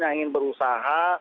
yang ingin berusaha